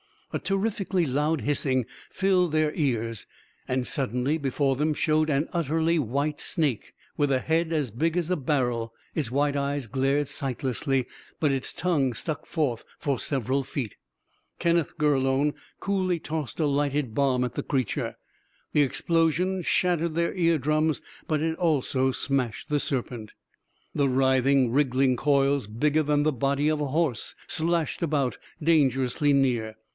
A terrifically loud hissing filled their ears, and suddenly, before them, showed an utterly white snake with a head as big as a barrel. Its white eyes glared sightlessly, but its tongue stuck forth for several feet. Kenneth Gurlone coolly tossed a lighted bomb at the creature: the explosion shattered their ear drums, but it also smashed the serpent. The writhing, wriggling coils, bigger than the body of a horse, slashed about, dangerously near.